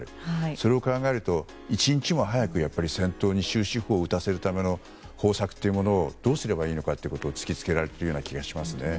それを考えると一日も早く戦闘に終止符を打たせるための方策をどうすればいいのか突きつけられている気がします。